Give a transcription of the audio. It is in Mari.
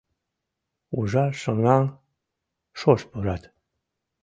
Ужар шоҥан шож пурат